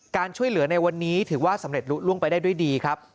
การช่วยเหลือในวันนี้ถือว่าสำเร็จลุล่วงไปได้ด้วยดีครับ